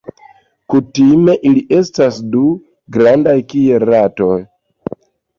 Kutime ili estas du, grandaj kiel rato.